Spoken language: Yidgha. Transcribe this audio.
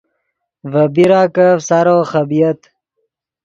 ڤے بیراکف سارو خبۡیت